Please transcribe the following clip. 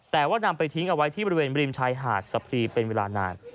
แต่ว่านำไปทิ้งเอาไว้ที่บริเวณบริมชายหาดสะพรีเป็นเวลานาน